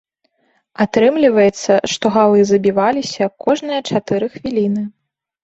Атрымліваецца, што галы забіваліся кожныя чатыры хвіліны.